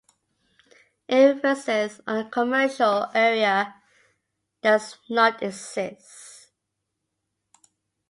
An emphasis on a commercial area does not exist.